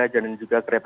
penumpang itu juga tiada